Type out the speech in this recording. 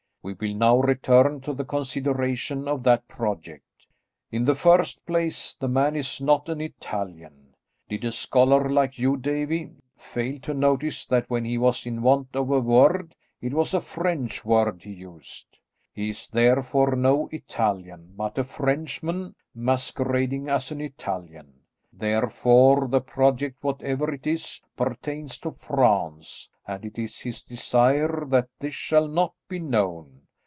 We will now return to the consideration of that project. In the first place, the man is not an Italian. Did a scholar like you, Davie, fail to notice that when he was in want of a word, it was a French word he used? He is therefore no Italian, but a Frenchman masquerading as an Italian. Therefore, the project, whatever it is, pertains to France, and it is his desire that this shall not be known.